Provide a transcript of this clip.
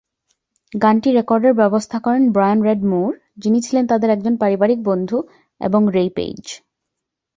গানটি রেকর্ডের ব্যবস্থা করেন ব্রায়ান রেড মুর, যিনি ছিলেন তাদের একজন পারিবারিক বন্ধু এবং রে পেজ।